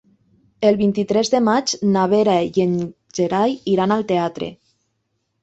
El vint-i-tres de maig na Vera i en Gerai iran al teatre.